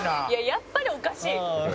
「やっぱりおかしい」